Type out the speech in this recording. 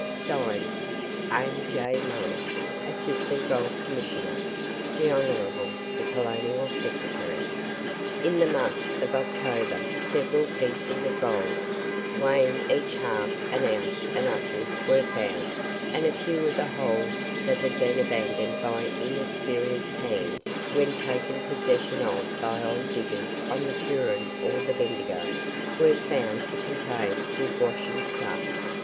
(Signed) "A. J. MURRAY, "Assistant Gold Commissioner. "The Hon. the Colonial Secretary." In the month of October several pieces of gold, weighing each half an ounce and upwards, were found, and a few of the holes that had been abandoned by inexperienced hands, when taken possession of by old diggers on the Turon or the Bendigo, were found to contain good washing stuff.